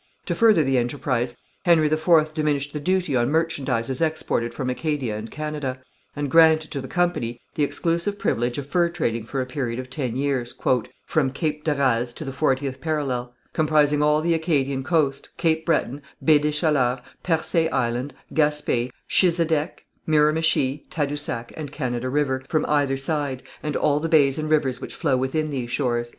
To further the enterprise Henry IV diminished the duty on merchandises exported from Acadia and Canada, and granted to the company the exclusive privilege of fur trading for a period of ten years, "from Cape de Raze to the 40°, comprising all the Acadian coast, Cape Breton, Baie des Chaleurs, Percé Island, Gaspé, Chisedec, Miramichi, Tadousac and Canada River, from either side, and all the bays and rivers which flow within these shores."